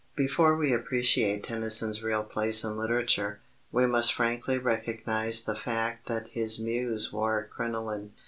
Before we appreciate Tennyson's real place in literature, we must frankly recognize the fact that his muse wore a crinoline.